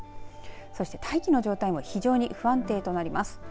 そして大気の状態も非常に不安定となります。